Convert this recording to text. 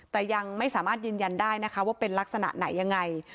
แต่ยังไม่สามารถยืนยันได้นะคะว่าเป็นลักษณะไหนยังไง